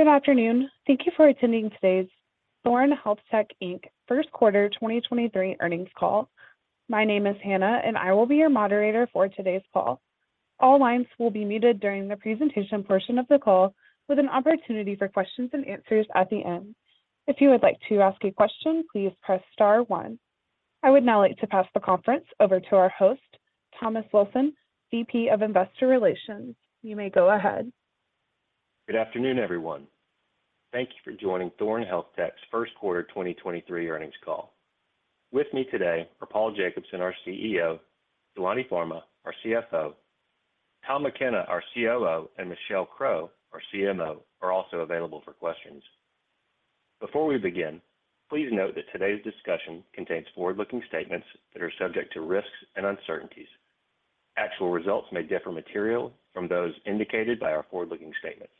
Good afternoon. Thank you for attending today's Thorne HealthTech, Inc. first quarter 2023 earnings call. My name is Hannah, and I will be your moderator for today's call. All lines will be muted during the presentation portion of the call with an opportunity for questions and answers at the end. If you would like to ask a question, please press star one. I would now like to pass the conference over to our host, Thomas Wilson, VP of Investor Relations. You may go ahead. Good afternoon, everyone. Thank you for joining Thorne HealthTech's first quarter 2023 earnings call. With me today are Paul Jacobson, our CEO, Saloni Varma, our CFO, Tom McKenna, our COO, and Michelle Crow, our CMO, are also available for questions. Before we begin, please note that today's discussion contains forward-looking statements that are subject to risks and uncertainties. Actual results may differ material from those indicated by our forward-looking statements.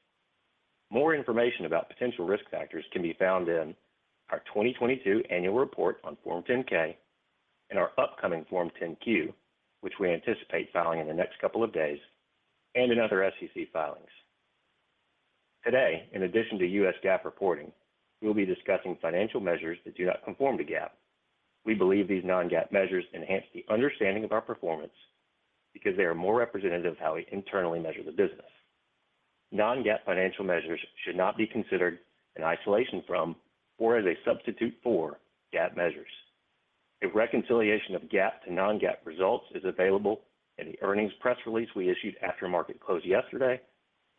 More information about potential risk factors can be found in our 2022 annual report on Form 10-K and our upcoming Form 10-Q, which we anticipate filing in the next couple of days, and in other SEC filings. Today, in addition to U.S. GAAP reporting, we'll be discussing financial measures that do not conform to GAAP. We believe these non-GAAP measures enhance the understanding of our performance because they are more representative of how we internally measure the business. Non-GAAP financial measures should not be considered an isolation from or as a substitute for GAAP measures. A reconciliation of GAAP to non-GAAP results is available in the earnings press release we issued after market close yesterday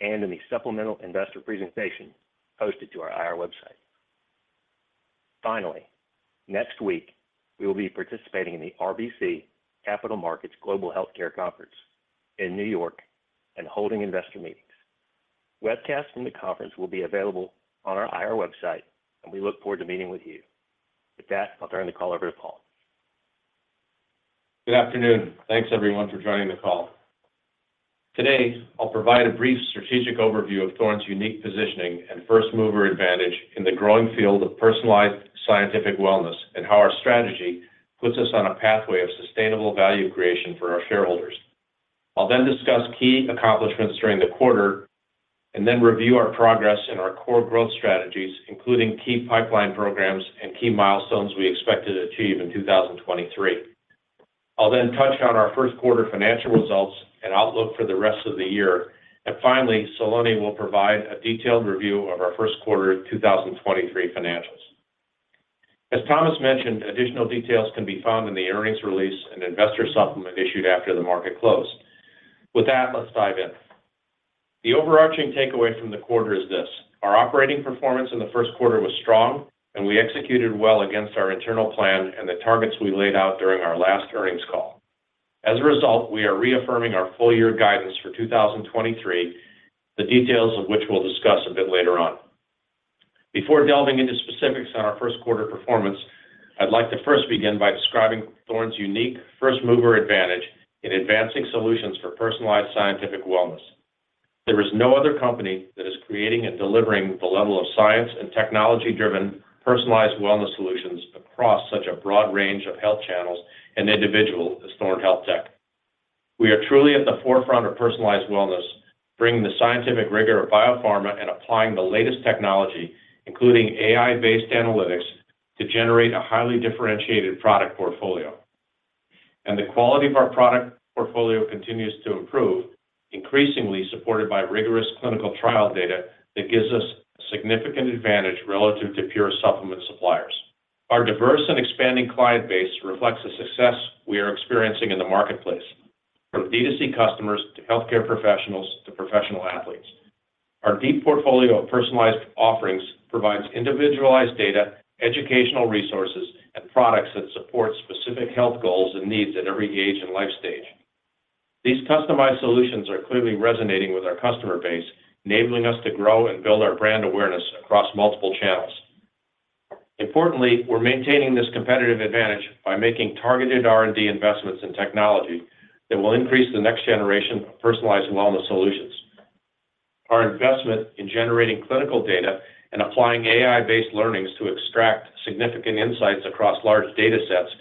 and in the supplemental investor presentation posted to our IR website. Next week we will be participating in the RBC Capital Markets Global Healthcare Conference in New York and holding investor meetings. Webcast from the conference will be available on our IR website, and we look forward to meeting with you. With that, I'll turn the call over to Paul. Good afternoon. Thanks everyone for joining the call. Today, I'll provide a brief strategic overview of Thorne's unique positioning and first-mover advantage in the growing field of personalized scientific wellness, and how our strategy puts us on a pathway of sustainable value creation for our shareholders. I'll discuss key accomplishments during the quarter and then review our progress in our core growth strategies, including key pipeline programs and key milestones we expect to achieve in 2023. I'll touch on our first quarter financial results and outlook for the rest of the year. Finally, Saloni will provide a detailed review of our first quarter 2023 financials. As Thomas mentioned, additional details can be found in the earnings release and investor supplement issued after the market closed. With that, let's dive in. The overarching takeaway from the quarter is this: Our operating performance in the first quarter was strong, and we executed well against our internal plan and the targets we laid out during our last earnings call. We are reaffirming our full year guidance for 2023, the details of which we'll discuss a bit later on. Before delving into specifics on our first quarter performance, I'd like to first begin by describing Thorne's unique first-mover advantage in advancing solutions for personalized scientific wellness. There is no other company that is creating and delivering the level of science and technology-driven personalized wellness solutions across such a broad range of health channels and individual as Thorne HealthTech. We are truly at the forefront of personalized wellness, bringing the scientific rigor of biopharma and applying the latest technology, including AI-based analytics, to generate a highly differentiated product portfolio. The quality of our product portfolio continues to improve, increasingly supported by rigorous clinical trial data that gives us significant advantage relative to pure supplement suppliers. Our diverse and expanding client base reflects the success we are experiencing in the marketplace, from D2C customers to healthcare professionals to professional athletes. Our deep portfolio of personalized offerings provides individualized data, educational resources, and products that support specific health goals and needs at every age and life stage. These customized solutions are clearly resonating with our customer base, enabling us to grow and build our brand awareness across multiple channels. Importantly, we're maintaining this competitive advantage by making targeted R&D investments in technology that will increase the next generation of personalized wellness solutions. Our investment in generating clinical data and applying AI-based learnings to extract significant insights across large data sets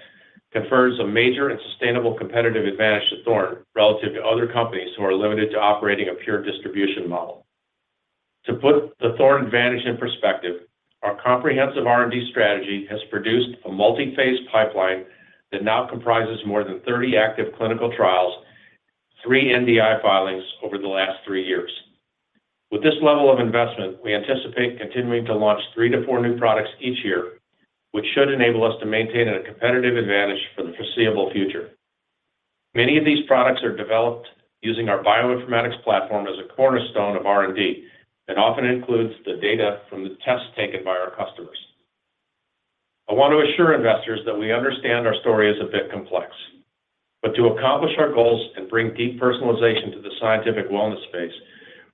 confers a major and sustainable competitive advantage to Thorne relative to other companies who are limited to operating a pure distribution model. To put the Thorne advantage in perspective, our comprehensive R&D strategy has produced a multi-phase pipeline that now comprises more than 30 active clinical trials, 3 NDI filings over the last 3 years. With this level of investment, we anticipate continuing to launch 3 to 4 new products each year, which should enable us to maintain a competitive advantage for the foreseeable future. Many of these products are developed using our bioinformatics platform as a cornerstone of R&D that often includes the data from the tests taken by our customers. I want to assure investors that we understand our story is a bit complex. To accomplish our goals and bring deep personalization to the scientific wellness space,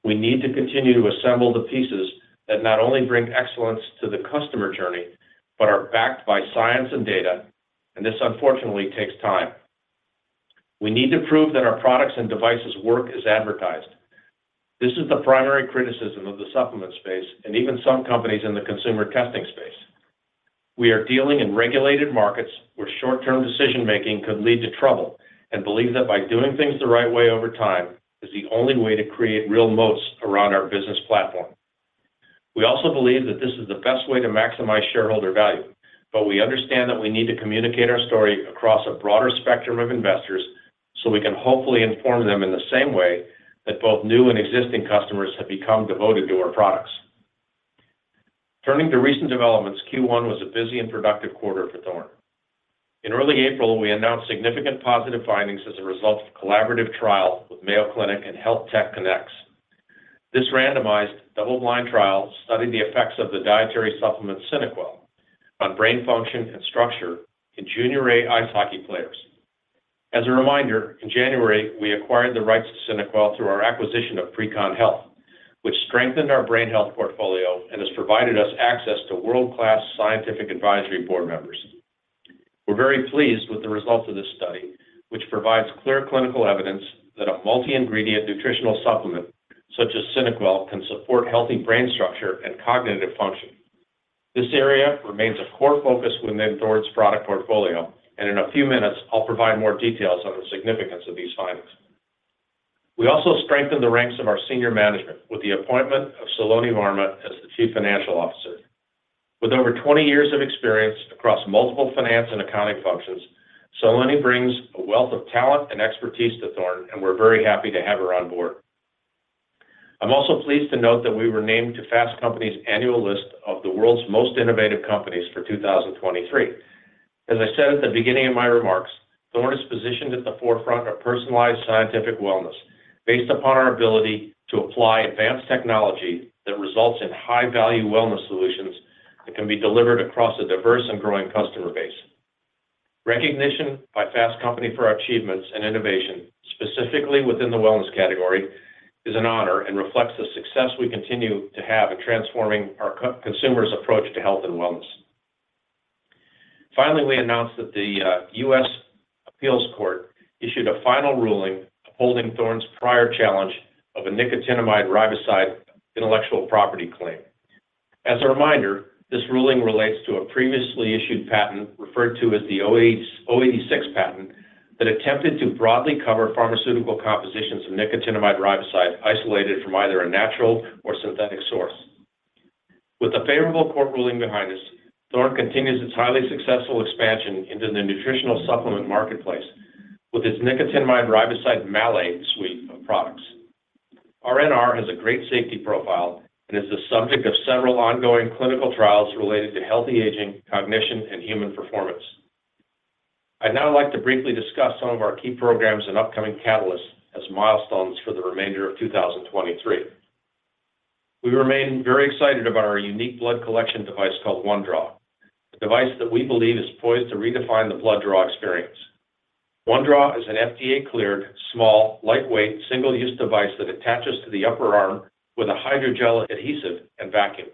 we need to continue to assemble the pieces that not only bring excellence to the customer journey, but are backed by science and data, and this unfortunately takes time. We need to prove that our products and devices work as advertised. This is the primary criticism of the supplement space and even some companies in the consumer testing space. We are dealing in regulated markets where short-term decision-making could lead to trouble, and believe that by doing things the right way over time is the only way to create real moats around our business platform. We also believe that this is the best way to maximize shareholder value. We understand that we need to communicate our story across a broader spectrum of investors, so we can hopefully inform them in the same way that both new and existing customers have become devoted to our products. Turning to recent developments, Q1 was a busy and productive quarter for Thorne. In early April, we announced significant positive findings as a result of collaborative trial with Mayo Clinic and HealthTech Connex. This randomized, double-blind trial studied the effects of the dietary supplement SynaQuell on brain function and structure in Junior A ice hockey players. As a reminder, in January, we acquired the rights to SynaQuell through our acquisition of PreCon Health, which strengthened our brain health portfolio and has provided us access to world-class scientific advisory board members. We're very pleased with the results of this study, which provides clear clinical evidence that a multi-ingredient nutritional supplement such as SynaQuell can support healthy brain structure and cognitive function. This area remains a core focus within Thorne's product portfolio, and in a few minutes, I'll provide more details on the significance of these findings. We also strengthened the ranks of our senior management with the appointment of Saloni Varma as the Chief Financial Officer. With over 20 years of experience across multiple finance and accounting functions, Saloni brings a wealth of talent and expertise to Thorne, and we're very happy to have her on board. I'm also pleased to note that we were named to Fast Company's annual list of the world's most innovative companies for 2023. As I said at the beginning of my remarks, Thorne is positioned at the forefront of personalized scientific wellness based upon our ability to apply advanced technology that results in high-value wellness solutions that can be delivered across a diverse and growing customer base. Recognition by Fast Company for our achievements and innovation, specifically within the wellness category, is an honor and reflects the success we continue to have at transforming our consumers' approach to health and wellness. We announced that the U.S. Appeals Court issued a final ruling upholding Thorne's prior challenge of a nicotinamide riboside intellectual property claim. As a reminder, this ruling relates to a previously issued patent referred to as the '086 patent that attempted to broadly cover pharmaceutical compositions of nicotinamide riboside isolated from either a natural or synthetic source. With the favorable court ruling behind us, Thorne continues its highly successful expansion into the nutritional supplement marketplace with its nicotinamide riboside maleate suite of products. R&R has a great safety profile and is the subject of several ongoing clinical trials related to healthy aging, cognition, and human performance. I'd now like to briefly discuss some of our key programs and upcoming catalysts as milestones for the remainder of 2023. We remain very excited about our unique blood collection device called OneDraw, a device that we believe is poised to redefine the blood draw experience. OneDraw is an FDA-cleared, small, lightweight, single-use device that attaches to the upper arm with a hydrogel adhesive and vacuum.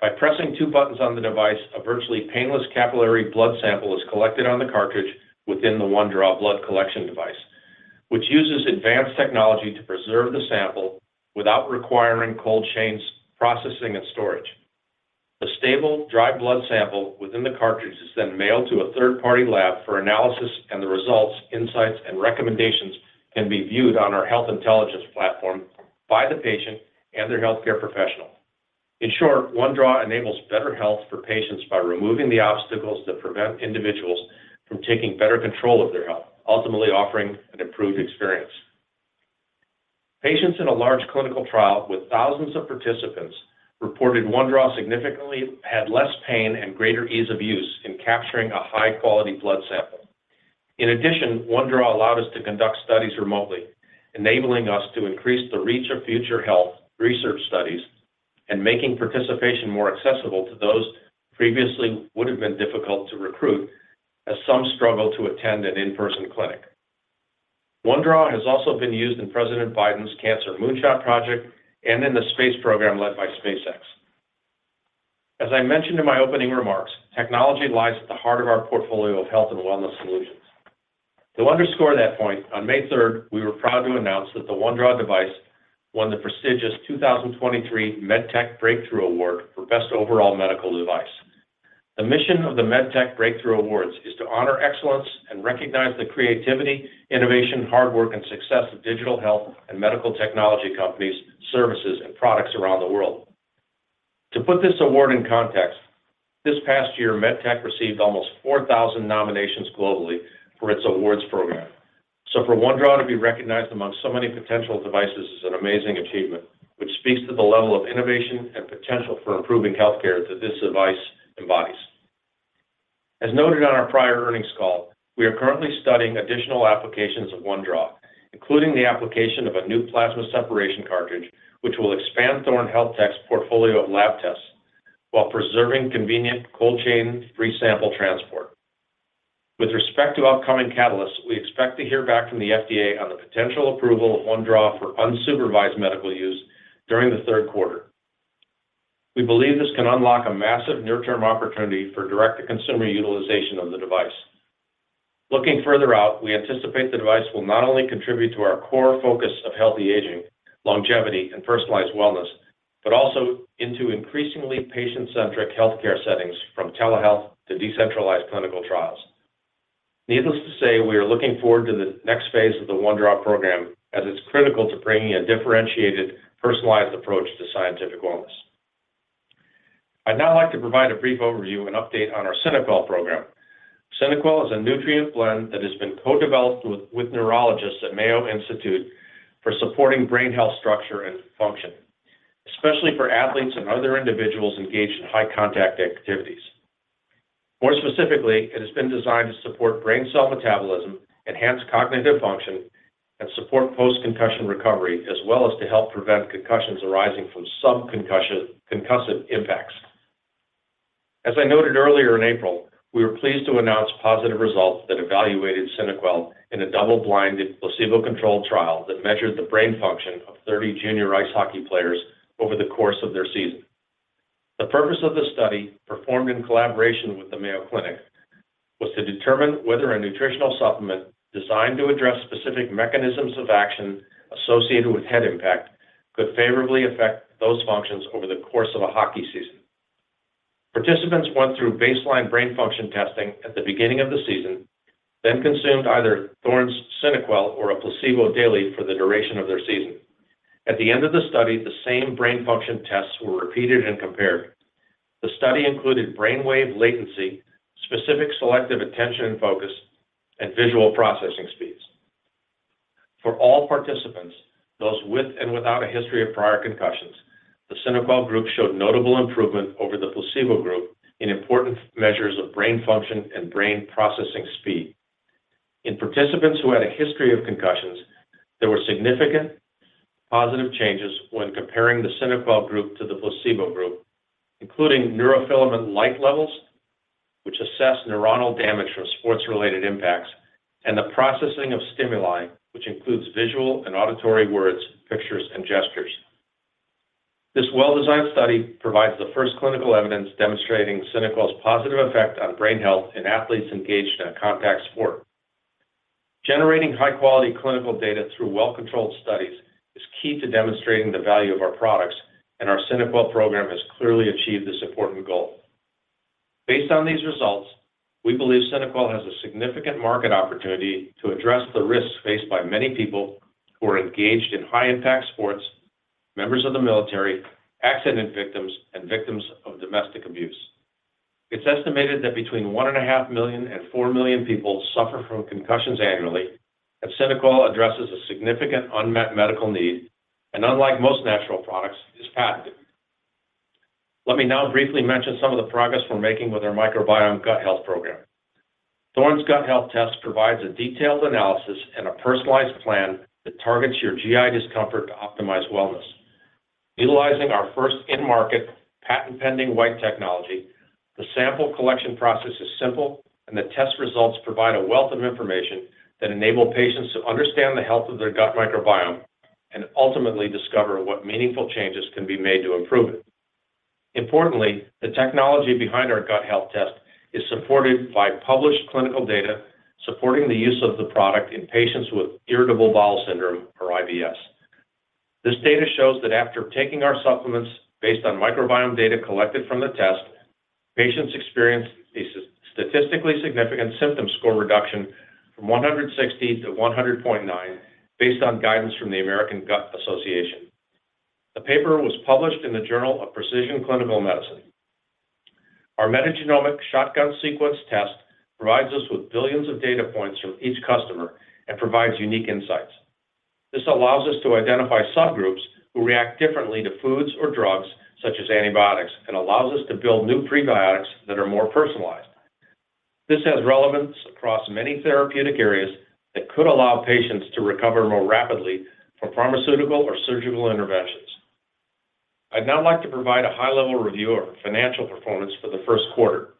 By pressing two buttons on the device, a virtually painless capillary blood sample is collected on the cartridge within the OneDraw blood collection device, which uses advanced technology to preserve the sample without requiring cold chains processing and storage. The stable, dry blood sample within the cartridge is then mailed to a third-party lab for analysis and the results, insights, and recommendations can be viewed on our health intelligence platform by the patient and their healthcare professional. In short, OneDraw enables better health for patients by removing the obstacles that prevent individuals from taking better control of their health, ultimately offering an improved experience. Patients in a large clinical trial with thousands of participants reported OneDraw significantly had less pain and greater ease of use in capturing a high-quality blood sample. In addition, OneDraw allowed us to conduct studies remotely, enabling us to increase the reach of future health, research studies, and making participation more accessible to those previously would have been difficult to recruit as some struggle to attend an in-person clinic. OneDraw has also been used in President Biden's Cancer Moonshot project and in the space program led by SpaceX. As I mentioned in my opening remarks, technology lies at the heart of our portfolio of health and wellness solutions. To underscore that point, on May 3, we were proud to announce that the OneDraw device won the prestigious 2023 MedTech Breakthrough Award for Best Overall Medical Device. The mission of the MedTech Breakthrough Awards is to honor excellence and recognize the creativity, innovation, hard work, and success of digital health and medical technology companies, services, and products around the world. To put this award in context, this past year, MedTech received almost 4,000 nominations globally for its awards program. For OneDraw to be recognized among so many potential devices is an amazing achievement, which speaks to the level of innovation and potential for improving healthcare that this device embodies. As noted on our prior earnings call, we are currently studying additional applications of OneDraw, including the application of a new plasma separation cartridge, which will expand Thorne HealthTech's portfolio of lab tests while preserving convenient cold chain resample transport. With respect to upcoming catalysts, we expect to hear back from the FDA on the potential approval of OneDraw for unsupervised medical use during the third quarter. We believe this can unlock a massive near-term opportunity for direct-to-consumer utilization of the device. Looking further out, we anticipate the device will not only contribute to our core focus of healthy aging, longevity, and personalized wellness, but also into increasingly patient-centric healthcare settings from telehealth to decentralized clinical trials. Needless to say, we are looking forward to the next phase of the OneDrop program as it's critical to bringing a differentiated, personalized approach to scientific wellness. I'd now like to provide a brief overview and update on our SynaQuell program. SynaQuell is a nutrient blend that has been co-developed with neurologists at Mayo Institute for supporting brain health structure and function, especially for athletes and other individuals engaged in high-contact activities. More specifically, it has been designed to support brain cell metabolism, enhance cognitive function, and support post-concussion recovery, as well as to help prevent concussions arising from sub-concussion, concussive impacts. As I noted earlier in April, we were pleased to announce positive results that evaluated SynaQuell in a double-blinded, placebo-controlled trial that measured the brain function of 30 junior ice hockey players over the course of their season. The purpose of the study, performed in collaboration with the Mayo Clinic, was to determine whether a nutritional supplement designed to address specific mechanisms of action associated with head impact could favorably affect those functions over the course of a hockey season. Participants went through baseline brain function testing at the beginning of the season, then consumed either Thorne's SynaQuell or a placebo daily for the duration of their season. At the end of the study, the same brain function tests were repeated and compared. The study included brainwave latency, specific selective attention and focus, and visual processing speeds. For all participants, those with and without a history of prior concussions, the SynaQuell group showed notable improvement over the placebo group in important measures of brain function and brain processing speed. In participants who had a history of concussions, there were significant positive changes when comparing the SynaQuell group to the placebo group, including neurofilament light levels, which assess neuronal damage from sports-related impacts, and the processing of stimuli, which includes visual and auditory words, pictures, and gestures. This well-designed study provides the first clinical evidence demonstrating SynaQuell's positive effect on brain health in athletes engaged in a contact sport. Generating high-quality clinical data through well-controlled studies is key to demonstrating the value of our products, and our SynaQuell program has clearly achieved this important goal. Based on these results, we believe SynaQuell has a significant market opportunity to address the risks faced by many people who are engaged in high-impact sports, members of the military, accident victims, and victims of domestic abuse. It's estimated that between 1.5 million and 4 million people suffer from concussions annually, and SynaQuell addresses a significant unmet medical need, and unlike most natural products, is patented. Let me now briefly mention some of the progress we're making with our Microbiome Gut Health Program. Thorne's Gut Health Test provides a detailed analysis and a personalized plan that targets your GI discomfort to optimize wellness. Utilizing our first in-market, patent-pending white technology, the sample collection process is simple, the test results provide a wealth of information that enable patients to understand the health of their gut microbiome and ultimately discover what meaningful changes can be made to improve it. Importantly, the technology behind our Gut Health Test is supported by published clinical data supporting the use of the product in patients with irritable bowel syndrome, or IBS. This data shows that after taking our supplements based on microbiome data collected from the test, patients experienced a statistically significant symptom score reduction from 160 to 100.9 based on guidance from the American Gastroenterological Association. The paper was published in the Journal of Precision Clinical Medicine. Our metagenomic shotgun sequencing test provides us with billions of data points from each customer and provides unique insights. This allows us to identify subgroups who react differently to foods or drugs, such as antibiotics, and allows us to build new prebiotics that are more personalized. This has relevance across many therapeutic areas that could allow patients to recover more rapidly from pharmaceutical or surgical interventions. I'd now like to provide a high-level review of our financial performance for the first quarter.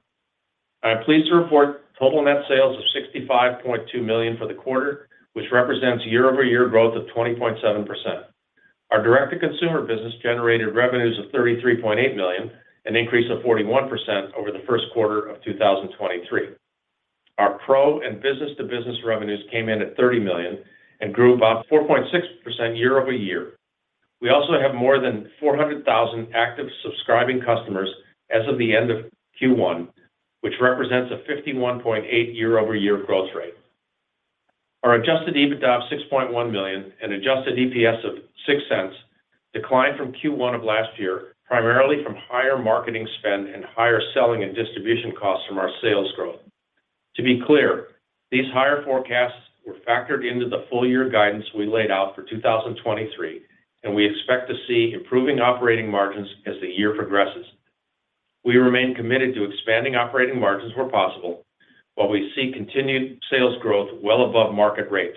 I am pleased to report total net sales of $65.2 million for the quarter, which represents year-over-year growth of 20.7%. Our direct-to-consumer business generated revenues of $33.8 million, an increase of 41% over the first quarter of 2023. Our pro and business-to-business revenues came in at $30 million and grew about 4.6% year-over-year. We also have more than 400,000 active subscribing customers as of the end of Q1, which represents a 51.8% year-over-year growth rate. Our adjusted EBITDA of $6.1 million and adjusted EPS of $0.06 declined from Q1 of last year, primarily from higher marketing spend and higher selling and distribution costs from our sales growth. To be clear, these higher forecasts were factored into the full year guidance we laid out for 2023, We expect to see improving operating margins as the year progresses. We remain committed to expanding operating margins where possible, while we see continued sales growth well above market rates.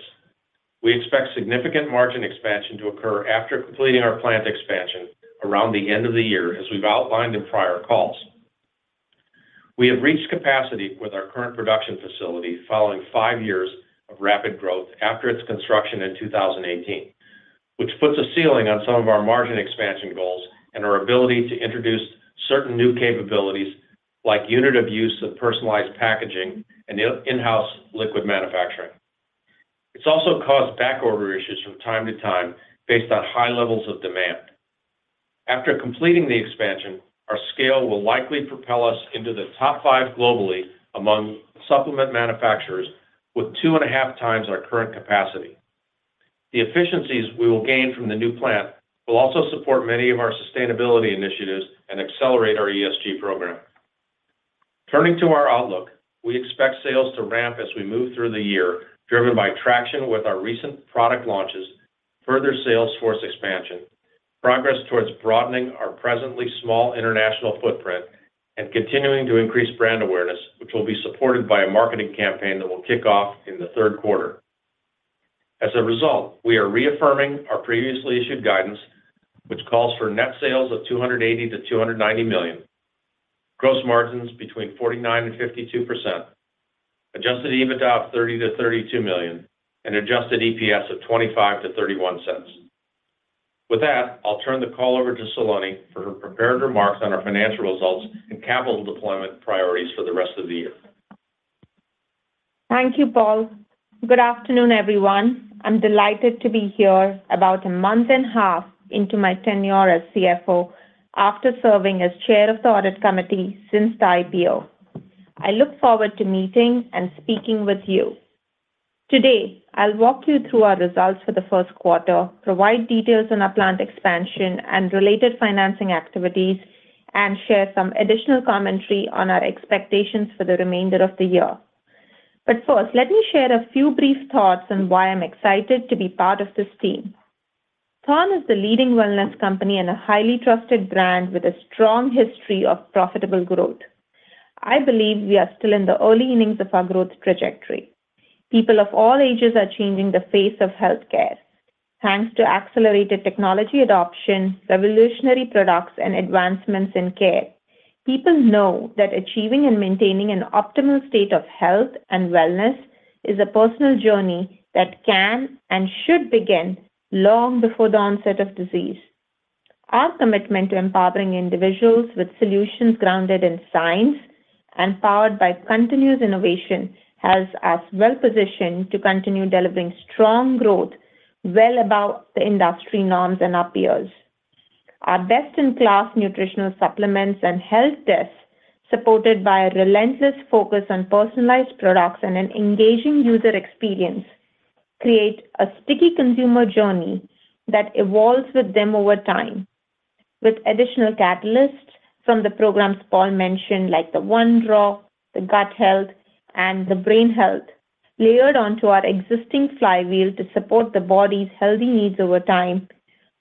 We expect significant margin expansion to occur after completing our plant expansion around the end of the year, as we've outlined in prior calls. We have reached capacity with our current production facility following five years of rapid growth after its construction in 2018, which puts a ceiling on some of our margin expansion goals and our ability to introduce certain new capabilities like unit of use of personalized packaging and in-house liquid manufacturing. It's also caused backorder issues from time to time based on high levels of demand. After completing the expansion, our scale will likely propel us into the top five globally among supplement manufacturers with 2.5 times our current capacity. The efficiencies we will gain from the new plant will also support many of our sustainability initiatives and accelerate our ESG program. Turning to our outlook, we expect sales to ramp as we move through the year, driven by traction with our recent product launches, further sales force expansion, progress towards broadening our presently small international footprint, and continuing to increase brand awareness, which will be supported by a marketing campaign that will kick off in the third quarter. As a result, we are reaffirming our previously issued guidance, which calls for net sales of $280 million-$290 million, gross margins between 49%-52%, adjusted EBITDA of $30 million-$32 million, and adjusted EPS of $0.25-$0.31. With that, I'll turn the call over to Saloni for her prepared remarks on our financial results and capital deployment priorities for the rest of the year. Thank you, Paul. Good afternoon, everyone. I'm delighted to be here about a month and a half into my tenure as CFO after serving as chair of the audit committee since the IPO. I look forward to meeting and speaking with you. Today, I'll walk you through our results for the first quarter, provide details on our plant expansion and related financing activities, and share some additional commentary on our expectations for the remainder of the year. First, let me share a few brief thoughts on why I'm excited to be part of this team. Thorne is the leading wellness company and a highly trusted brand with a strong history of profitable growth. I believe we are still in the early innings of our growth trajectory. People of all ages are changing the face of healthcare. Thanks to accelerated technology adoption, revolutionary products, and advancements in care. People know that achieving and maintaining an optimal state of health and wellness is a personal journey that can and should begin long before the onset of disease. Our commitment to empowering individuals with solutions grounded in science and powered by continuous innovation has us well-positioned to continue delivering strong growth well above the industry norms and appeals. Our best-in-class nutritional supplements and health tests, supported by a relentless focus on personalized products and an engaging user experience, create a sticky consumer journey that evolves with them over time. With additional catalysts from the programs Paul mentioned, like the OneDraw, the gut health, and the brain health, layered onto our existing flywheel to support the body's healthy needs over time,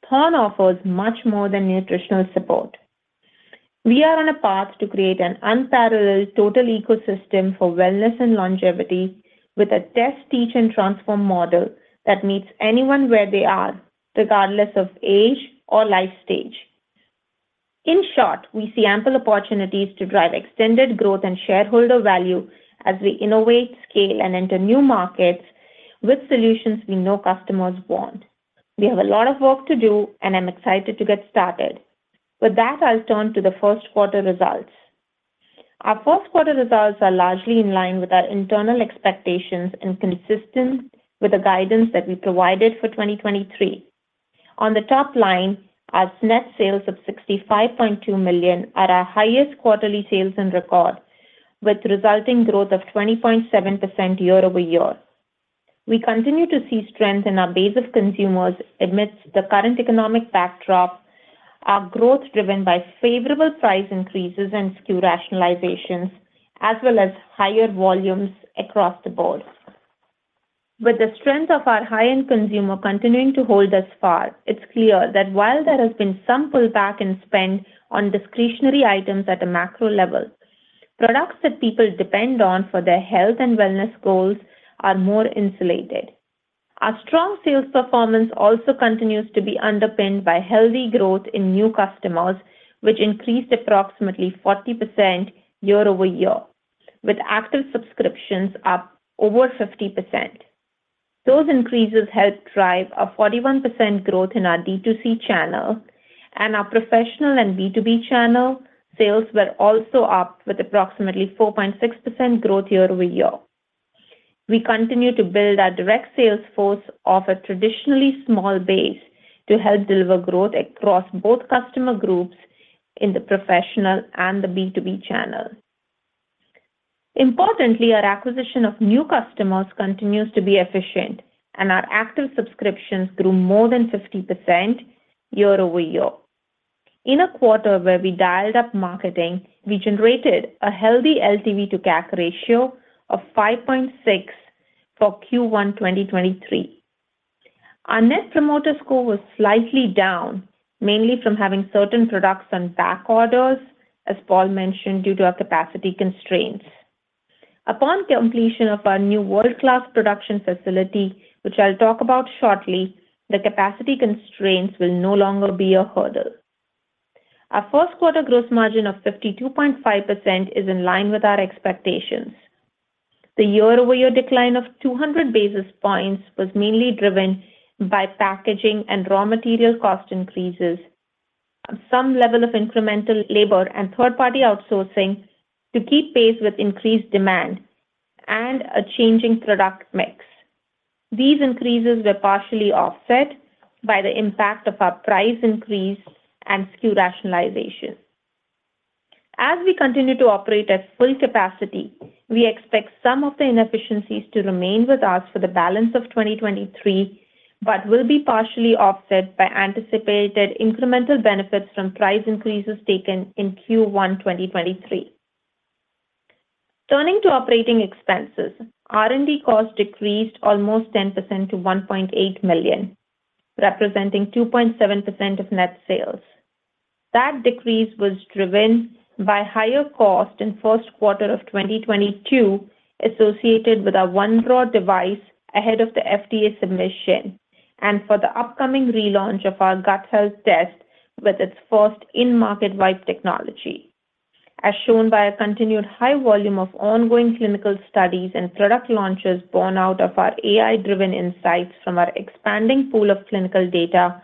Thorne offers much more than nutritional support. We are on a path to create an unparalleled total ecosystem for wellness and longevity with a test, teach, and transform model that meets anyone where they are, regardless of age or life stage. In short, we see ample opportunities to drive extended growth and shareholder value as we innovate, scale, and enter new markets with solutions we know customers want. We have a lot of work to do, and I'm excited to get started. I'll turn to the first quarter results. Our first quarter results are largely in line with our internal expectations and consistent with the guidance that we provided for 2023. On the top line, our net sales of $65.2 million at our highest quarterly sales on record, with resulting growth of 20.7% year-over-year. We continue to see strength in our base of consumers amidst the current economic backdrop, our growth driven by favorable price increases and SKU rationalizations, as well as higher volumes across the board. With the strength of our high-end consumer continuing to hold thus far, it's clear that while there has been some pullback in spend on discretionary items at a macro level, products that people depend on for their health and wellness goals are more insulated. Our strong sales performance also continues to be underpinned by healthy growth in new customers, which increased approximately 40% year-over-year, with active subscriptions up over 50%. Those increases helped drive a 41% growth in our D2C channel and our professional and B2B channel sales were also up with approximately 4.6% growth year-over-year. We continue to build our direct sales force off a traditionally small base to help deliver growth across both customer groups in the professional and the B2B channel. Importantly, our acquisition of new customers continues to be efficient and our active subscriptions grew more than 50% year-over-year. In a quarter where we dialed up marketing, we generated a healthy LTV to CAC ratio of 5.6 for Q1 2023. Our Net Promoter Score was slightly down, mainly from having certain products on back orders, as Paul mentioned, due to our capacity constraints. Upon completion of our new world-class production facility, which I'll talk about shortly, the capacity constraints will no longer be a hurdle. Our first quarter gross margin of 52.5% is in line with our expectations. The year-over-year decline of 200 basis points was mainly driven by packaging and raw material cost increases, some level of incremental labor and third-party outsourcing to keep pace with increased demand and a changing product mix. These increases were partially offset by the impact of our price increase and SKU rationalization. As we continue to operate at full capacity, we expect some of the inefficiencies to remain with us for the balance of 2023, but will be partially offset by anticipated incremental benefits from price increases taken in Q1 2023. Turning to operating expenses, R&D costs decreased almost 10% to $1.8 million, representing 2.7% of net sales. That decrease was driven by higher cost in first quarter of 2022 associated with our OneDraw device ahead of the FDA submission and for the upcoming relaunch of our Gut Health Test with its first in-market wipe technology. As shown by a continued high volume of ongoing clinical studies and product launches borne out of our AI-driven insights from our expanding pool of clinical data,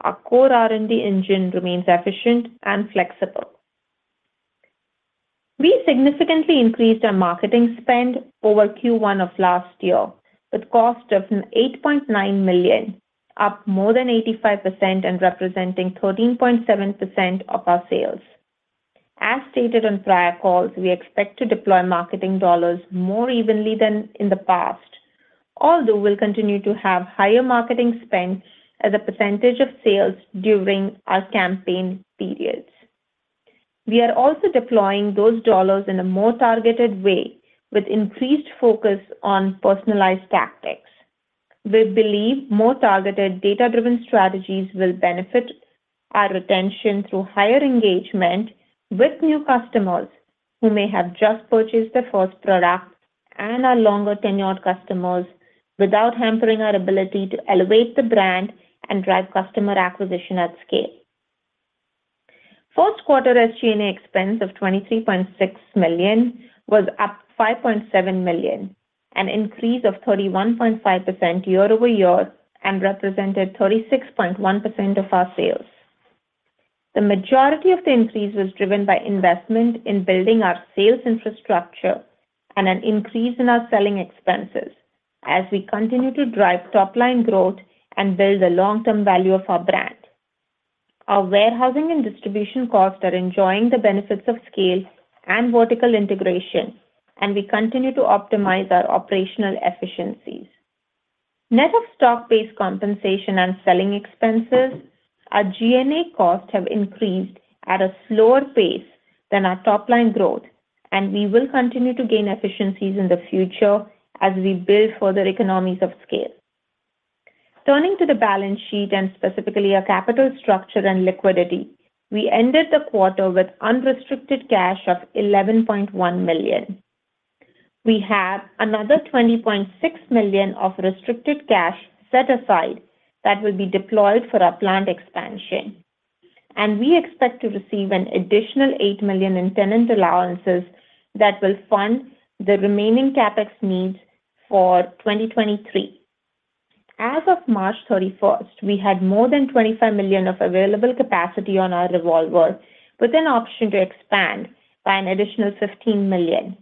our core R&D engine remains efficient and flexible. We significantly increased our marketing spend over Q1 of last year, with cost of $8.9 million, up more than 85% and representing 13.7% of our sales. As stated on prior calls, we expect to deploy marketing dollars more evenly than in the past, although we'll continue to have higher marketing spend as a percentage of sales during our campaign periods. We are also deploying those dollars in a more targeted way with increased focus on personalized tactics. We believe more targeted data-driven strategies will benefit our retention through higher engagement with new customers who may have just purchased their first product and our longer-tenured customers without hampering our ability to elevate the brand and drive customer acquisition at scale. First quarter SG&A expense of $23.6 million was up $5.7 million, an increase of 31.5% year-over-year and represented 36.1% of our sales. The majority of the increase was driven by investment in building our sales infrastructure and an increase in our selling expenses as we continue to drive top-line growth and build the long-term value of our brand. Our warehousing and distribution costs are enjoying the benefits of scale and vertical integration, and we continue to optimize our operational efficiencies. Net of stock-based compensation and selling expenses, our G&A costs have increased at a slower pace than our top-line growth. We will continue to gain efficiencies in the future as we build further economies of scale. Turning to the balance sheet and specifically our capital structure and liquidity, we ended the quarter with unrestricted cash of $11.1 million. We have another $20.6 million of restricted cash set aside that will be deployed for our planned expansion. We expect to receive an additional $8 million in tenant allowances that will fund the remaining CapEx needs for 2023. As of March 31st, we had more than $25 million of available capacity on our revolver with an option to expand by an additional $15 million.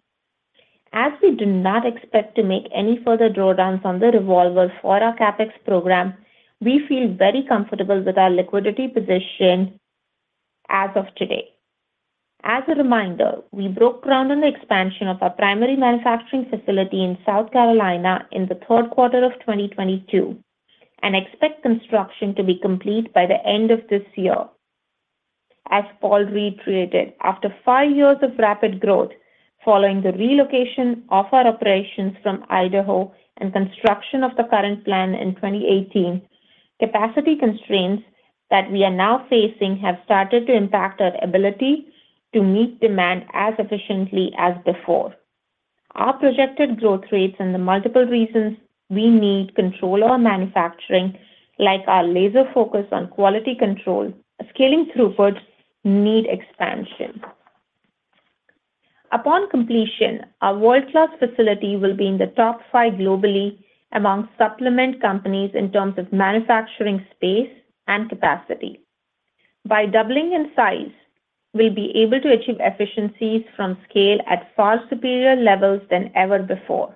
As we do not expect to make any further drawdowns on the revolver for our CapEx program, we feel very comfortable with our liquidity position as of today. As a reminder, we broke ground on the expansion of our primary manufacturing facility in South Carolina in the third quarter of 2022 and expect construction to be complete by the end of this year. As Paul reiterated, after 5 years of rapid growth following the relocation of our operations from Idaho and construction of the current plan in 2018, capacity constraints that we are now facing have started to impact our ability to meet demand as efficiently as before. Our projected growth rates and the multiple reasons we need control our manufacturing, like our laser focus on quality control, scaling throughput need expansion. Upon completion, our world-class facility will be in the top five globally among supplement companies in terms of manufacturing space and capacity. By doubling in size, we'll be able to achieve efficiencies from scale at far superior levels than ever before.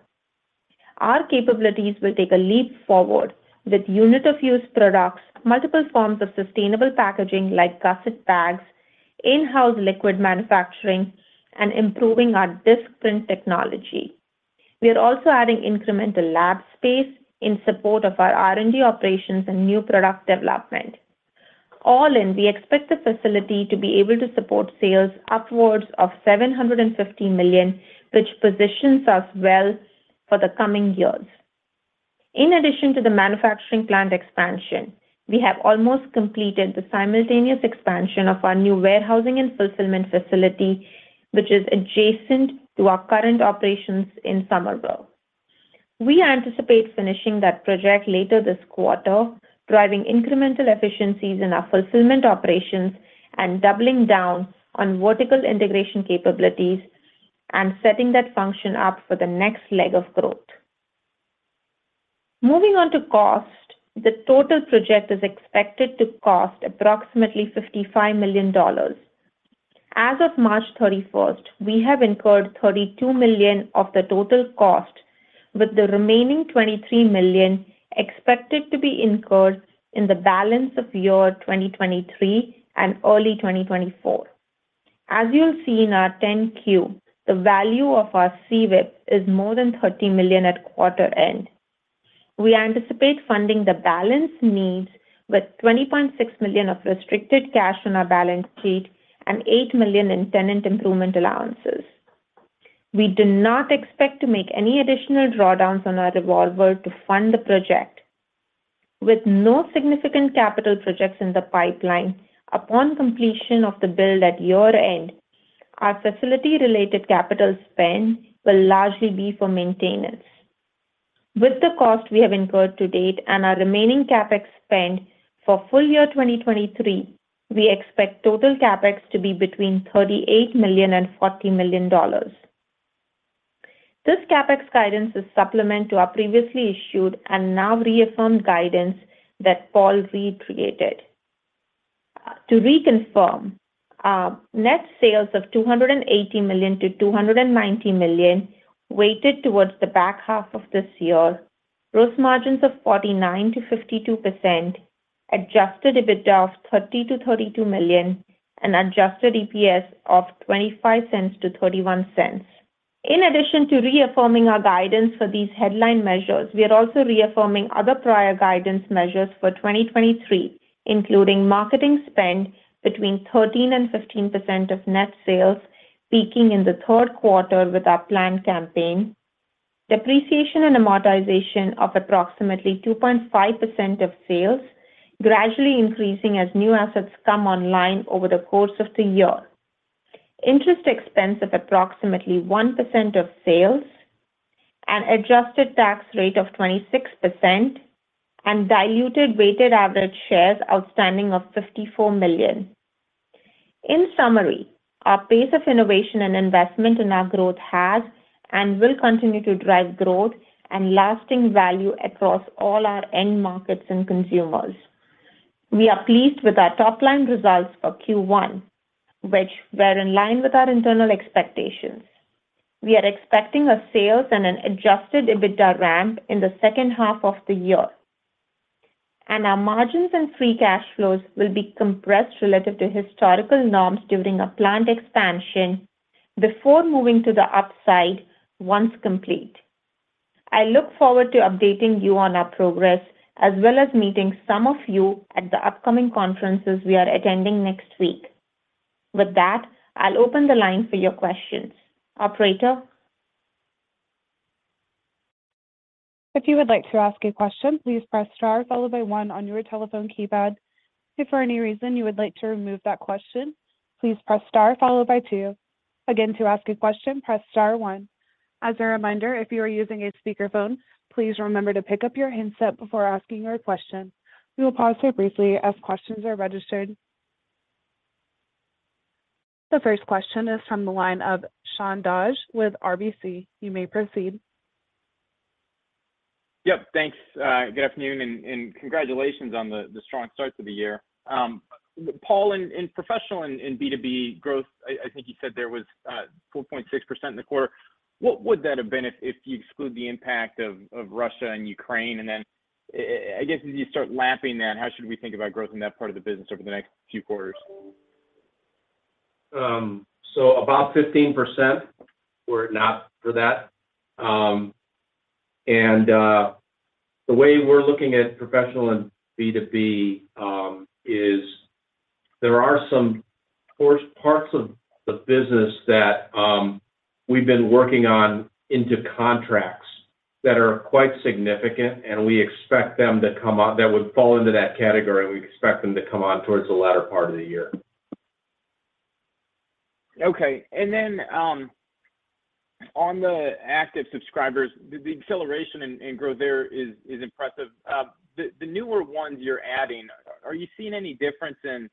Our capabilities will take a leap forward with unit-of-use products, multiple forms of sustainable packaging like gusset bags, in-house liquid manufacturing, and improving our disc print technology. We are also adding incremental lab space in support of our R&D operations and new product development. All in, we expect the facility to be able to support sales upwards of $750 million, which positions us well for the coming years. In addition to the manufacturing plant expansion, we have almost completed the simultaneous expansion of our new warehousing and fulfillment facility, which is adjacent to our current operations in Summerville. We anticipate finishing that project later this quarter, driving incremental efficiencies in our fulfillment operations and doubling down on vertical integration capabilities and setting that function up for the next leg of growth. Moving on to cost, the total project is expected to cost approximately $55 million. As of March thirty-first, we have incurred $32 million of the total cost, with the remaining $23 million expected to be incurred in the balance of year 2023 and early 2024. As you'll see in our 10-Q, the value of our CWIP is more than $30 million at quarter end. We anticipate funding the balance needs with $20.6 million of restricted cash on our balance sheet and $8 million in tenant improvement allowances. We do not expect to make any additional drawdowns on our revolver to fund the project. With no significant capital projects in the pipeline, upon completion of the build at year-end, our facility related capital spend will largely be for maintenance. With the cost we have incurred to date and our remaining CapEx spend for full year 2023, we expect total CapEx to be between $38 million and $40 million. This CapEx guidance is supplement to our previously issued and now reaffirmed guidance that Paul recreated. To reconfirm, net sales of $280 million-$290 million weighted towards the back half of this year, gross margins of 49%-52%, adjusted EBITDA of $30 million-$32 million, and adjusted EPS of $0.25-$0.31. In addition to reaffirming our guidance for these headline measures, we are also reaffirming other prior guidance measures for 2023, including marketing spend between 13% and 15% of net sales, peaking in the third quarter with our planned campaign, depreciation and amortization of approximately 2.5% of sales, gradually increasing as new assets come online over the course of the year. Interest expense of approximately 1% of sales, an adjusted tax rate of 26%, and diluted weighted average shares outstanding of 54 million. In summary, our pace of innovation and investment in our growth has and will continue to drive growth and lasting value across all our end markets and consumers. We are pleased with our top-line results for Q1, which were in line with our internal expectations. We are expecting a sales and an adjusted EBITDA ramp in the second half of the year. Our margins and free cash flows will be compressed relative to historical norms during a planned expansion before moving to the upside once complete. I look forward to updating you on our progress as well as meeting some of you at the upcoming conferences we are attending next week. With that, I'll open the line for your questions. Operator? If you would like to ask a question, please press star followed by one on your telephone keypad. If for any reason you would like to remove that question, please press star followed by two. Again, to ask a question, press star one. As a reminder, if you are using a speakerphone, please remember to pick up your handset before asking your question. We will pause here briefly as questions are registered. The first question is from the line of Sean Dodge with RBC. You may proceed. Yep. Thanks. Good afternoon and congratulations on the strong starts of the year. Paul, in professional and in B2B growth, I think you said there was 4.6% in the quarter. What would that have been if you exclude the impact of Russia and Ukraine? I guess as you start lapping that, how should we think about growth in that part of the business over the next few quarters? About 15% were it not for that. The way we're looking at professional and B2B is there are some course parts of the business that we've been working on into contracts that are quite significant. That would fall into that category, and we expect them to come on towards the latter part of the year. Okay. On the active subscribers, the acceleration and growth there is impressive. The newer ones you're adding, are you seeing any difference in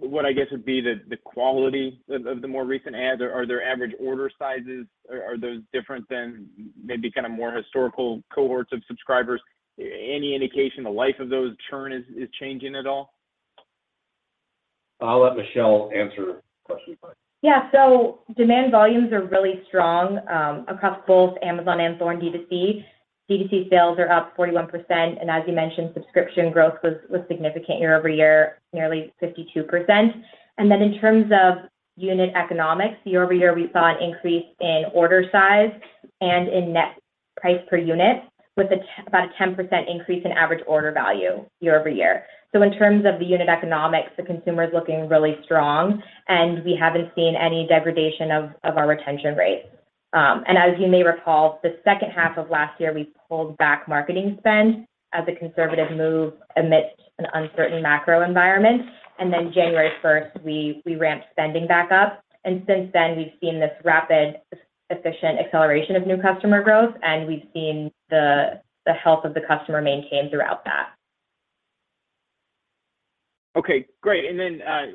what I guess would be the quality of the more recent adds? Are their average order sizes, are those different than maybe kind of more historical cohorts of subscribers? Any indication the life of those churn is changing at all? I'll let Michelle answer questions like Yeah. Demand volumes are really strong across both Amazon and Thorne B2C. B2C sales are up 41%, and as you mentioned, subscription growth was significant year-over-year, nearly 52%. In terms of unit economics, year-over-year, we saw an increase in order size and in net price per unit with about a 10% increase in average order value year-over-year. In terms of the unit economics, the consumer is looking really strong, and we haven't seen any degradation of our retention rates. As you may recall, the second half of last year, we pulled back marketing spend as a conservative move amidst an uncertain macro environment. January 1st, we ramped spending back up. Since then, we've seen this rapid efficient acceleration of new customer growth, and we've seen the health of the customer maintain throughout that. Okay, great.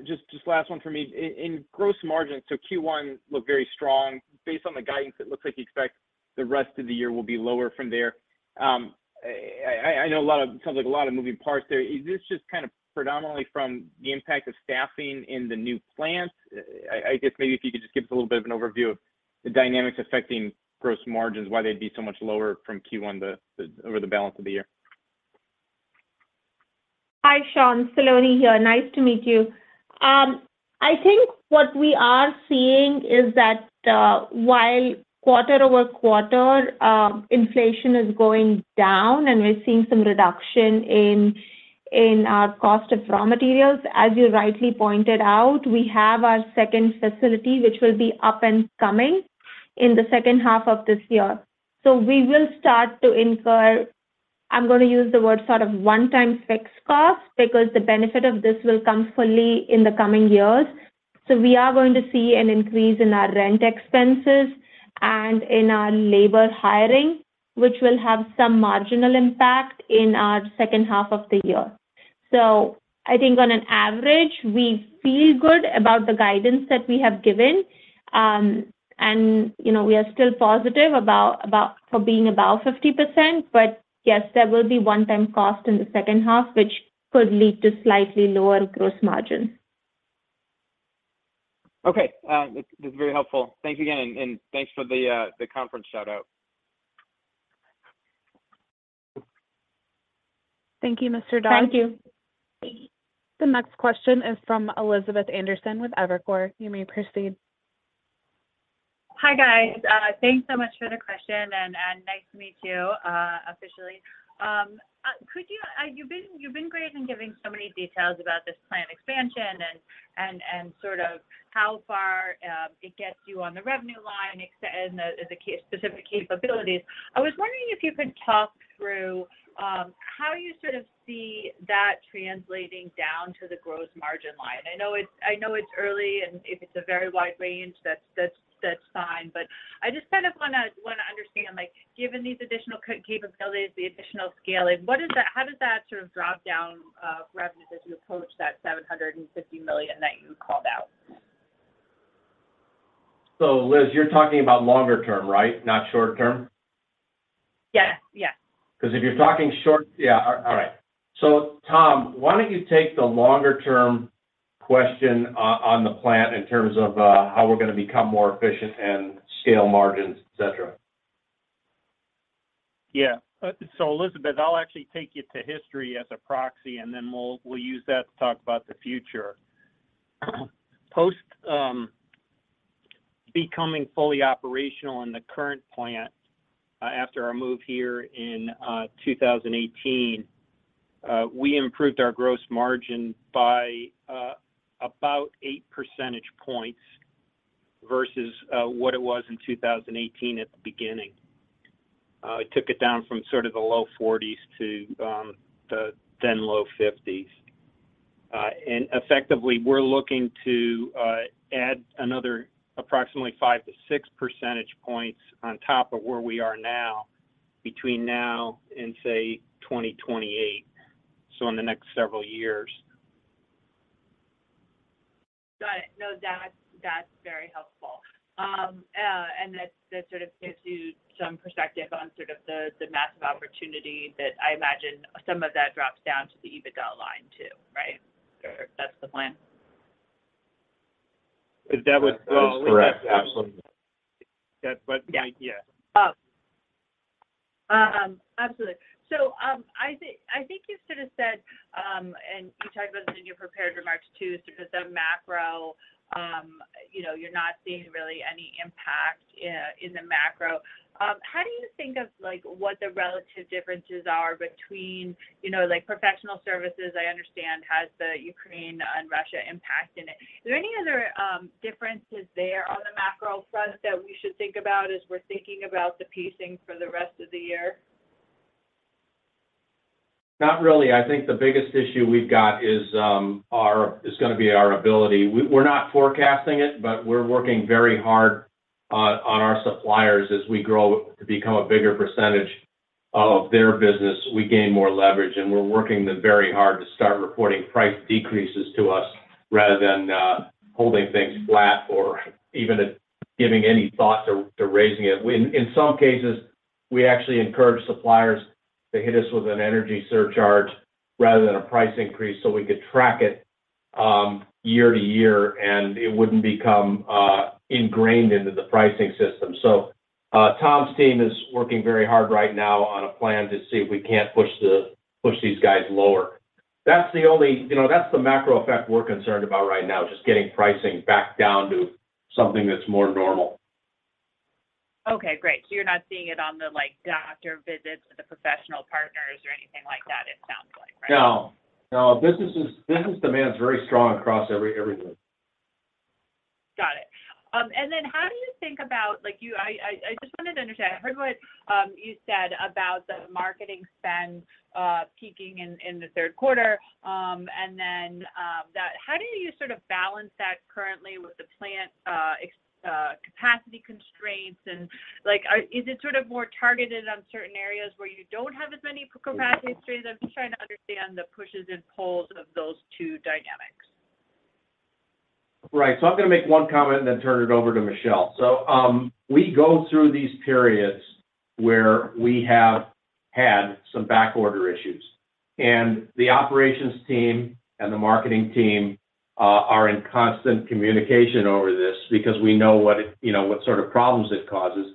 just last one for me. In gross margins, Q1 looked very strong. Based on the guidance, it looks like you expect the rest of the year will be lower from there. I know a lot of sounds like a lot of moving parts there. Is this just kind of predominantly from the impact of staffing in the new plant? I guess maybe if you could just give us a little bit of an overview of the dynamics affecting gross margins, why they'd be so much lower from Q1 over the balance of the year. Hi, Sean. Saloni here. Nice to meet you. I think what we are seeing is that while quarter-over-quarter inflation is going down, and we're seeing some reduction in our cost of raw materials, as you rightly pointed out, we have our second facility, which will be up and coming in the second half of this year. We will start to incur, I'm gonna use the word sort of one-time fixed costs because the benefit of this will come fully in the coming years. We are going to see an increase in our rent expenses and in our labor hiring, which will have some marginal impact in our second half of the year. I think on an average, we feel good about the guidance that we have given, and you know, we are still positive about for being above 50%. Yes, there will be one-time cost in the second half, which could lead to slightly lower gross margins. Okay. This is very helpful. Thanks again, and thanks for the conference shout-out. Thank you, Mr. Dodge. Thank you. The next question is from Elizabeth Anderson with Evercore. You may proceed. Hi, guys. Thanks so much for the question and nice to meet you officially. You've been great in giving so many details about this plant expansion and sort of how far it gets you on the revenue line and the specific capabilities. I was wondering if you could talk through how you sort of see that translating down to the gross margin line. I know it's early, and if it's a very wide range, that's fine. I just kind of wanna understand, like given these additional capabilities, the additional scaling, how does that sort of drop down revenue as you approach that $750 million that you called out? Liz, you're talking about longer term, right? Not short term? Yes. Yes. 'Cause if you're talking short. Yeah. All right. Tom, why don't you take the longer term question on the plant in terms of how we're gonna become more efficient and scale margins, et cetera. Elizabeth, I'll actually take you to history as a proxy, and then we'll use that to talk about the future. Post becoming fully operational in the current plant, after our move here in 2018, we improved our gross margin by about 8 percentage points versus what it was in 2018 at the beginning. It took it down from sort of the low 40s to the then low 50s. Effectively, we're looking to add another approximately 5 to 6 percentage points on top of where we are now between now and, say, 2028, so in the next several years. Got it. No. That's very helpful. That sort of gives you some perspective on sort of the massive opportunity that I imagine some of that drops down to the EBITDA line too, right? Or that's the plan. That would- That is correct. Absolutely. That's what the idea. Absolutely. I think you sort of said, and you talked about this in your prepared remarks too, is because of macro, you know, you're not seeing really any impact in the macro. How do you think of like, what the relative differences are between, you know, like professional services I understand has the Ukraine and Russia impact in it. Is there any other differences there on the macro front that we should think about as we're thinking about the pacing for the rest of the year? Not really. I think the biggest issue we've got is gonna be our ability. We're not forecasting it, but we're working very hard on our suppliers. As we grow to become a bigger percentage of their business, we gain more leverage, and we're working them very hard to start reporting price decreases to us rather than holding things flat or even giving any thought to raising it. In some cases, we actually encourage suppliers to hit us with an energy surcharge rather than a price increase so we could track it year to year, and it wouldn't become ingrained into the pricing system. Tom's team is working very hard right now on a plan to see if we can't push these guys lower. That's the only, you know, that's the macro effect we're concerned about right now, just getting pricing back down to something that's more normal. Okay, great. You're not seeing it on the, like, doctor visits or the professional partners or anything like that, it sounds like, right? No. No. Business demand's very strong across everything. Got it. I just wanted to understand. I heard what you said about the marketing spend peaking in the third quarter, how do you sort of balance that currently with the plant? Capacity constraints and like are, is it sort of more targeted on certain areas where you don't have as many capacity constraints? I'm just trying to understand the pushes and pulls of those two dynamics. Right. I'm gonna make one comment and then turn it over to Michelle. We go through these periods where we have had some back order issues, and the operations team and the marketing team are in constant communication over this because we know what it, you know, what sort of problems it causes.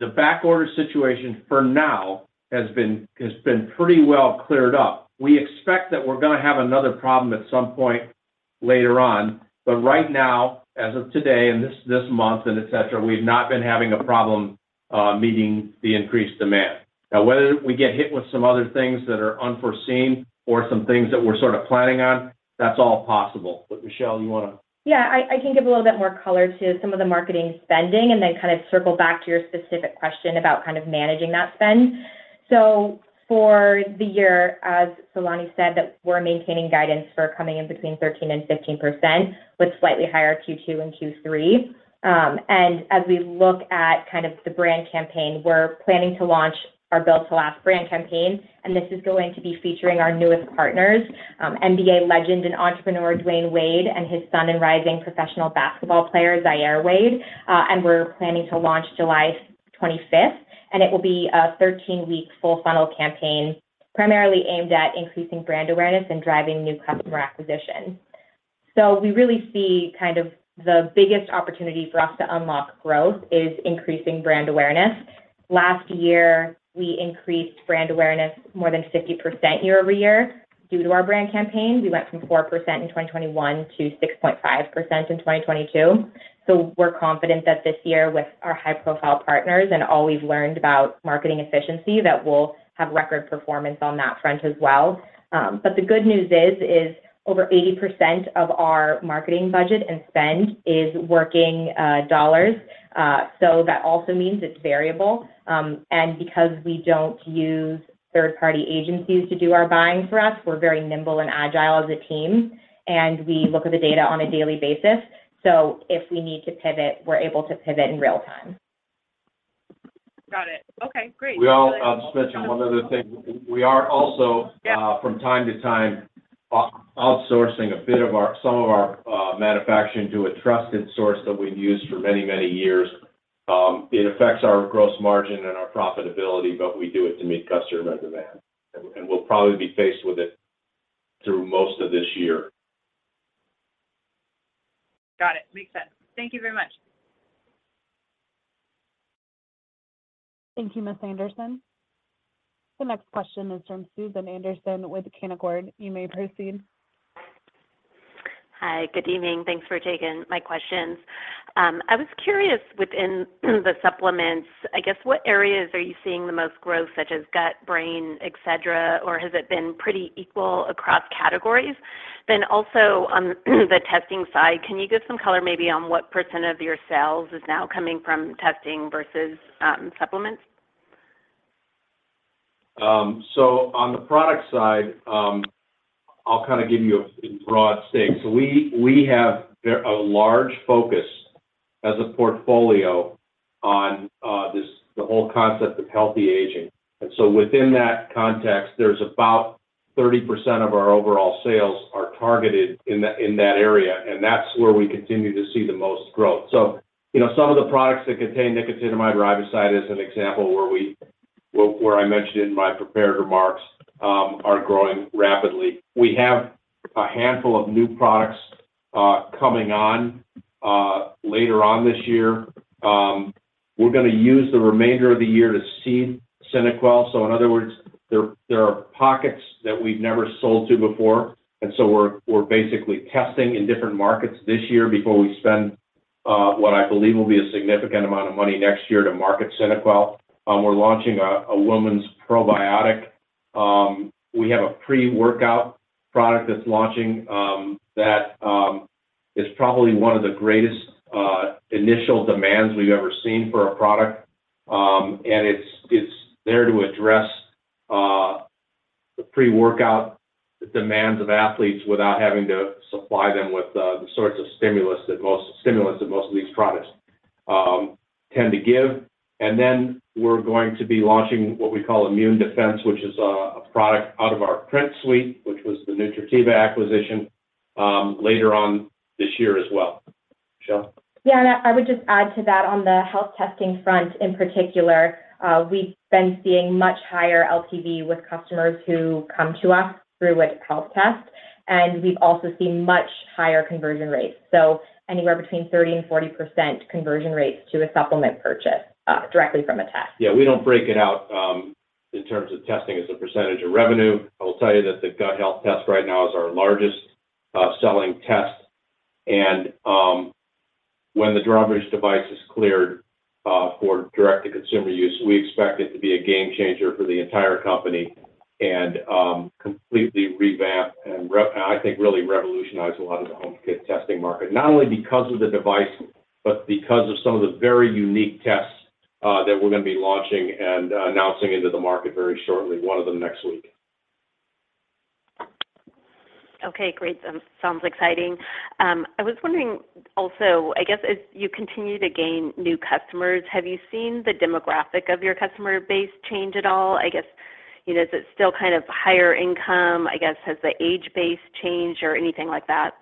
The back order situation for now has been pretty well cleared up. We expect that we're gonna have another problem at some point later on, but right now, as of today and this month and et cetera, we've not been having a problem meeting the increased demand. Now, whether we get hit with some other things that are unforeseen or some things that we're sort of planning on, that's all possible. Michelle, you wanna. I can give a little bit more color to some of the marketing spending and then kind of circle back to your specific question about kind of managing that spend. For the year, as Saloni said, that we're maintaining guidance for coming in between 13% and 15% with slightly higher Q2 and Q3. As we look at kind of the brand campaign, we're planning to launch our Built to Last brand campaign, and this is going to be featuring our newest partners, NBA legend and entrepreneur, Dwyane Wade, and his son and rising professional basketball player, Zaire Wade. We're planning to launch July 25th, and it will be a 13-week full funnel campaign primarily aimed at increasing brand awareness and driving new customer acquisition. We really see kind of the biggest opportunity for us to unlock growth is increasing brand awareness. Last year, we increased brand awareness more than 50% year-over-year due to our brand campaign. We went from 4% in 2021 to 6.5% in 2022. We're confident that this year with our high-profile partners and all we've learned about marketing efficiency, that we'll have record performance on that front as well. The good news is over 80% of our marketing budget and spend is working dollars. That also means it's variable. Because we don't use third-party agencies to do our buying for us, we're very nimble and agile as a team, and we look at the data on a daily basis. If we need to pivot, we're able to pivot in real time. Got it. Okay. Great. Well, I'll just mention one other thing. We are also. Yeah from time to time, outsourcing a bit of our, some of our, manufacturing to a trusted source that we've used for many, many years. It affects our gross margin and our profitability, but we do it to meet customer demand. We'll probably be faced with it through most of this year. Got it. Makes sense. Thank you very much. Thank you, Ms. Anderson. The next question is from Susan Anderson with Canaccord. You may proceed. Hi. Good evening. Thanks for taking my questions. I was curious within the supplements, I guess, what areas are you seeing the most growth such as gut, brain, et cetera, or has it been pretty equal across categories? Also on the testing side, can you give some color maybe on what % of your sales is now coming from testing versus supplements? On the product side, I'll kinda give you in broad stakes. We have a large focus as a portfolio on the whole concept of healthy aging. Within that context, there's about 30% of our overall sales are targeted in that area, and that's where we continue to see the most growth. You know, some of the products that contain nicotinamide riboside as an example where I mentioned in my prepared remarks are growing rapidly. We have a handful of new products coming on later on this year. We're gonna use the remainder of the year to seed SynaQuell. In other words, there are pockets that we've never sold to before, we're basically testing in different markets this year before we spend what I believe will be a significant amount of money next year to market SynaQuell. We're launching a woman's probiotic. We have a pre-workout product that's launching that is probably one of the greatest initial demands we've ever seen for a product. And it's there to address the pre-workout demands of athletes without having to supply them with the sorts of stimulants that most of these products tend to give. We're going to be launching what we call Immune Defense, which is a product out of our Print suite, which was the Nutrativa acquisition later on this year as well. Michelle. Yeah. I would just add to that on the health testing front in particular, we've been seeing much higher LTV with customers who come to us through a health test, and we've also seen much higher conversion rates. Anywhere between 30% and 40% conversion rates to a supplement purchase, directly from a test. Yeah. We don't break it out in terms of testing as a percentage of revenue. I will tell you that the Gut Health Test right now is our largest selling test. When the Drawbridge device is cleared for direct-to-consumer use, we expect it to be a game changer for the entire company and completely revamp and I think really revolutionize a lot of the home kit testing market. Not only because of the device, but because of some of the very unique tests that we're gonna be launching and announcing into the market very shortly, one of them next week. Great. Sounds exciting. I was wondering also, I guess as you continue to gain new customers, have you seen the demographic of your customer base change at all? I guess, you know, is it still kind of higher income? I guess, has the age base changed or anything like that?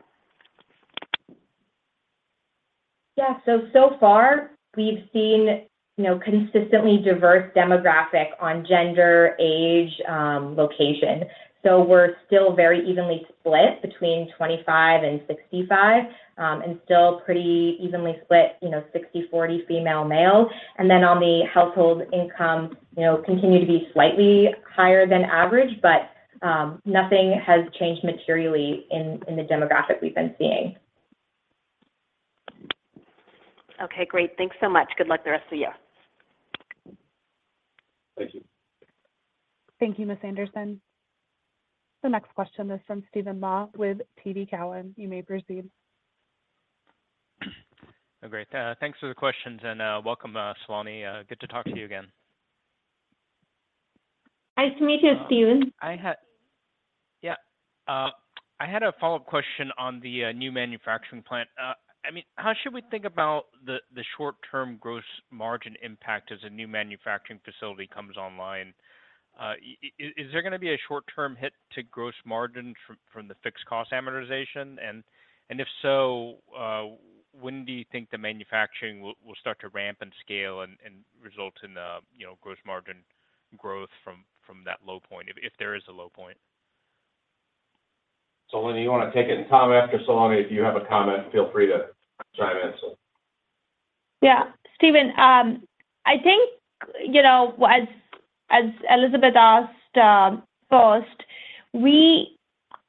Yeah. So far we've seen, you know, consistently diverse demographic on gender, age, location. We're still very evenly split between 25 and 65, and still pretty evenly split, you know, 60/40 female/male. On the household income, you know, continue to be slightly higher than average, nothing has changed materially in the demographic we've been seeing. Okay, great. Thanks so much. Good luck the rest of the year. Thank you. Thank you, Ms. Anderson. The next question is from Steven Mah with TD Cowen. You may proceed. Oh, great. Thanks for the questions and welcome, Saloni. Good to talk to you again. Nice to meet you, Steven. I had a follow-up question on the new manufacturing plant. I mean, how should we think about the short-term gross margin impact as a new manufacturing facility comes online? Is there gonna be a short-term hit to gross margin from the fixed cost amortization? If so, when do you think the manufacturing will start to ramp and scale and result in, you know, gross margin growth from that low point, if there is a low point? Saloni, you wanna take it? Tom, after Saloni, if you have a comment, feel free to chime in. Yeah, Steven, I think, you know, as Elizabeth asked, first, we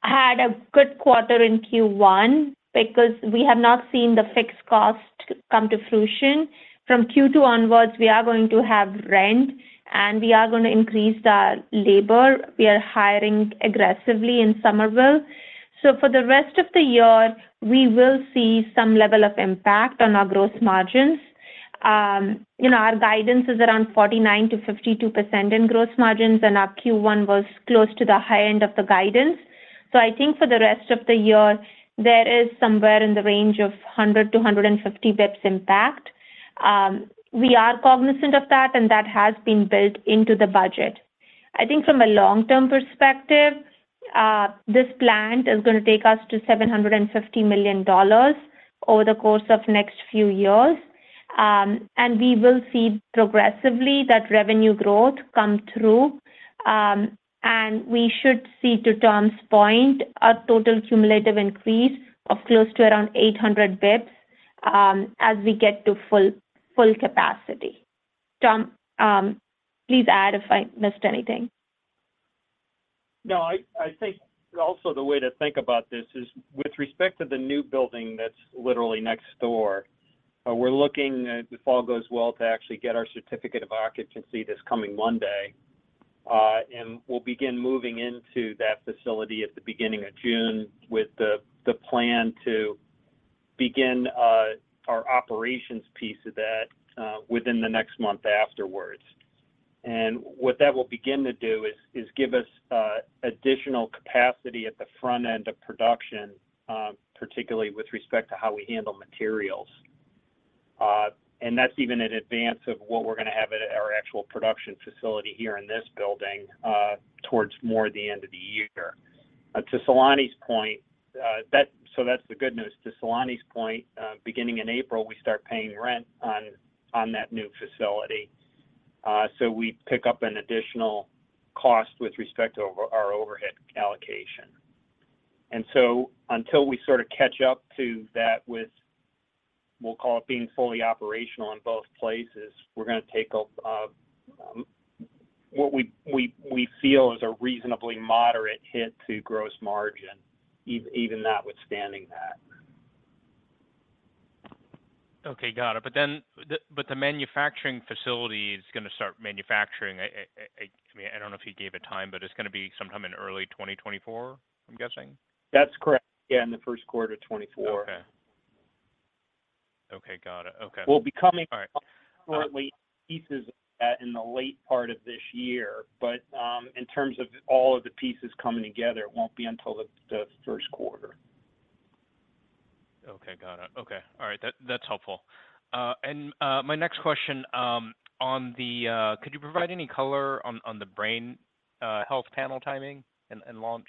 had a good quarter in Q1 because we have not seen the fixed cost come to fruition. From Q2 onwards, we are going to have rent, and we are gonna increase our labor. We are hiring aggressively in Summerville. For the rest of the year, we will see some level of impact on our gross margins. You know, our guidance is around 49%-52% in gross margins, and our Q1 was close to the high end of the guidance. I think for the rest of the year, there is somewhere in the range of 100-150 bps impact. We are cognizant of that, and that has been built into the budget. I think from a long-term perspective, this plant is gonna take us to $750 million over the course of next few years. We will see progressively that revenue growth come through. We should see, to Tom's point, a total cumulative increase of close to around 800 bps, as we get to full capacity. Tom, please add if I missed anything. I think also the way to think about this is with respect to the new building that's literally next door, we're looking, if all goes well, to actually get our certificate of occupancy this coming Monday. We'll begin moving into that facility at the beginning of June with the plan to begin our operations piece of that within the next month afterwards. What that will begin to do is give us additional capacity at the front end of production, particularly with respect to how we handle materials. That's even in advance of what we're gonna have at our actual production facility here in this building towards more the end of the year. To Saloni's point, that's the good news. To Saloni's point, beginning in April, we start paying rent on that new facility, so we pick up an additional cost with respect to our overhead allocation. Until we sort of catch up to that with, we'll call it being fully operational in both places, we're gonna take a what we feel is a reasonably moderate hit to gross margin, even notwithstanding that. Okay, got it. The manufacturing facility is gonna start manufacturing, I mean, I don't know if you gave a time, but it's gonna be sometime in early 2024, I'm guessing? That's correct. Yeah, in the first quarter 2024. Okay. Okay, got it. Okay. We'll be coming- All right. out with pieces of that in the late part of this year, but, in terms of all of the pieces coming together, it won't be until the first quarter. Okay, got it. Okay. All right. That's helpful. My next question: Could you provide any color on the brain health panel timing and launch?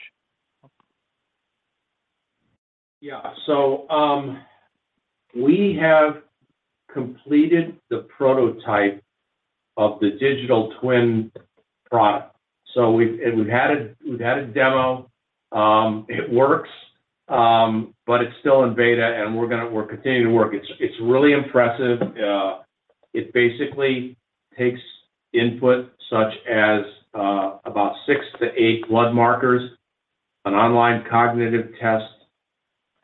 We have completed the prototype of the digital twin product. We've had a demo. It works, but it's still in beta, and we're continuing to work. It's really impressive. It basically takes input such as about six to eight blood markers, an online cognitive test,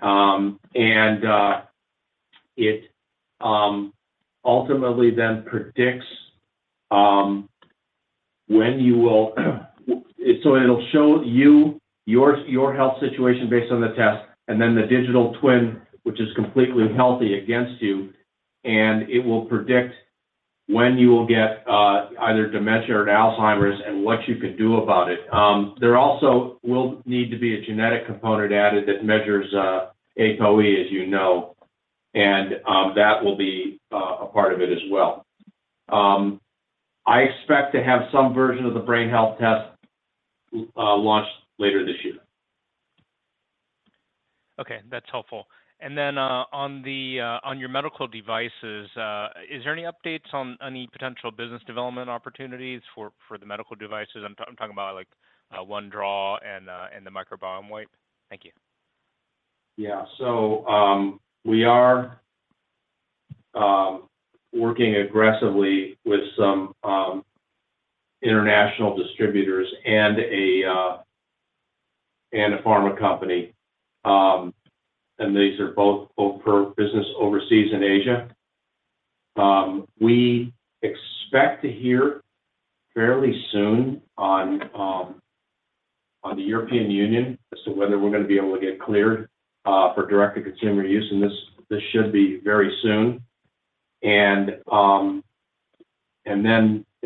and it ultimately then predicts when you will. It'll show you your health situation based on the test and then the digital twin, which is completely healthy against you, and it will predict When you will get either dementia or Alzheimer's and what you can do about it. There also will need to be a genetic component added that measures APOE, as you know, and that will be a part of it as well. I expect to have some version of the brain health test launched later this year. Okay, that's helpful. On your medical devices, is there any updates on any potential business development opportunities for the medical devices? I'm talking about OneDraw and the microbiome wipe. Thank you. We are working aggressively with some international distributors and a pharma company. These are both for business overseas in Asia. We expect to hear fairly soon on the European Union as to whether we're gonna be able to get cleared for direct-to-consumer use, and this should be very soon.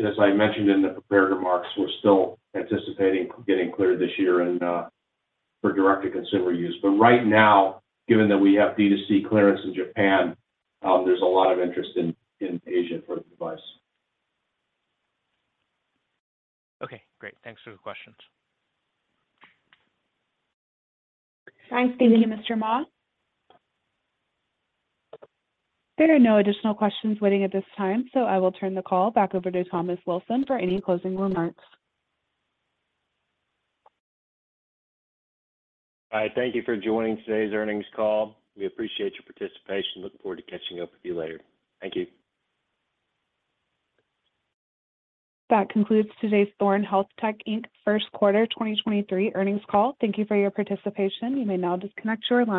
As I mentioned in the prepared remarks, we're still anticipating getting cleared this year for direct-to-consumer use. Right now, given that we have D2C clearance in Japan, there's a lot of interest in Asia for the device. Okay, great. Thanks for the questions. Thanks. Thank you, Mr. Mah. There are no additional questions waiting at this time, so I will turn the call back over to Thomas Wilson for any closing remarks. All right. Thank you for joining today's earnings call. We appreciate your participation. Looking forward to catching up with you later. Thank you. That concludes today's Thorne HealthTech Inc. first quarter 2023 earnings call. Thank you for your participation. You may now disconnect your line.